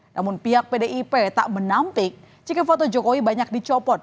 namun pihak pdip tak menampik jika foto jokowi banyak dicopot